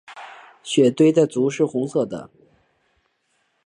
血雉的足是红色的。